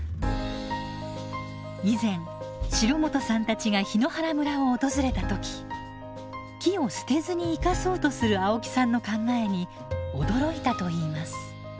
以前城本さんたちが檜原村を訪れた時木を捨てずに生かそうとする青木さんの考えに驚いたといいます。